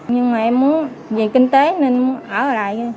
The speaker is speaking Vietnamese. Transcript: nhưng mà em muốn về kinh tế nên ở lại